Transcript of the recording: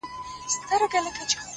هغه اوس گل ماسوم په غېږه كي وړي”